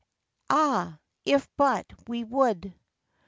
Ah, if but we would.